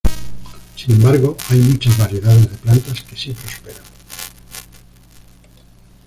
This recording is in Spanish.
Sin embargo, hay muchas variedades de plantas que sí prosperan.